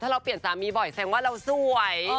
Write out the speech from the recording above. ถ้าเราเปลี่ยนสามีบ่อยแสดงว่าเราสวย